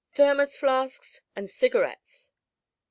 "Thermos flasks and cigarettes."